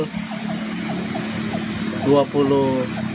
jadi sampai pukul tiga belas